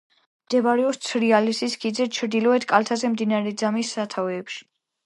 მდებარეობს თრიალეთის ქედის ჩრდილოეთ კალთაზე, მდინარე ძამის სათავეებში.